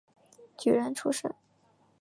举人出身。